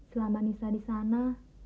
selama nisa di sana